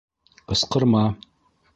Ҡысҡырма!